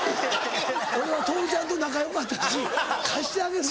俺は徹ちゃんと仲良かったし貸してあげるから。